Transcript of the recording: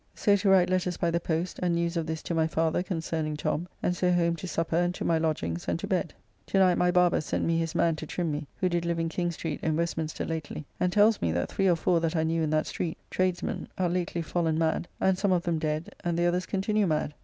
So to write letters by the post and news of this to my father concerning Tom, and so home to supper and to my lodgings and to bed. To night my barber sent me his man to trim me, who did live in King Street in Westminster lately, and tells me that three or four that I knew in that street, tradesmen, are lately fallen mad, and some of them dead, and the others continue mad.